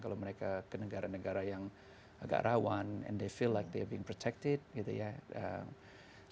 kalau mereka ke negara negara yang agak rawan dan mereka merasa seperti mereka diperlindungi gitu ya